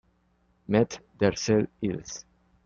Mt. Desert Isl.